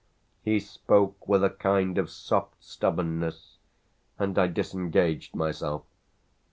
He spoke with a kind of soft stubbornness, and I disengaged myself.